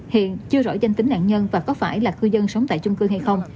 hiện chưa rõ danh tính nạn nhân và có phải là cư dân sống tại chung cư hay không